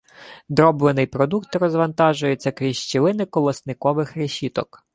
Дроблений продукт розвантажується крізь щілини колосникових решіток.